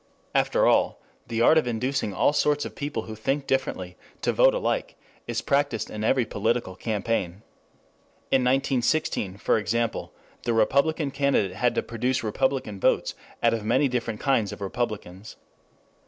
After all, the art of inducing all sorts of people who think differently to vote alike is practiced in every political campaign. In 1916, for example, the Republican candidate had to produce Republican votes out of many different kinds of Republicans.